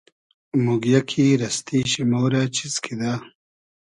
موگیۂ کی رئستی شی مۉ رۂ چیز کیدۂ